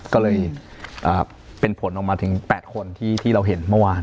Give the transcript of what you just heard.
ก็เลยเป็นผลออกมาถึง๘คนที่เราเห็นเมื่อวาน